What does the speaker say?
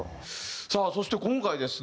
さあそして今回ですね